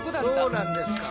そうなんですか。